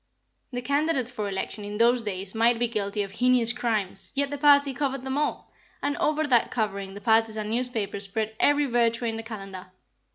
"The candidate for election in those days might be guilty of heinous crimes, yet the party covered them all, and over that covering the partisan newspaper spread every virtue in the calendar.